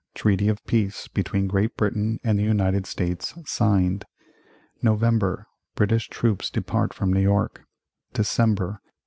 Treaty of Peace, between Great Britain and the United States, signed November. British troops depart from New York December.